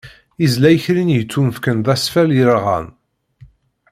Izla ikerri-nni yettunefken d asfel yerɣan.